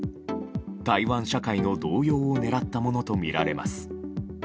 台湾社会の動揺を狙ったものとみられます。